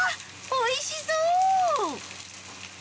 おいしそう！